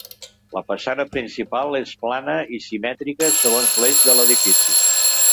La façana principal és plana i simètrica segons l'eix de l'edifici.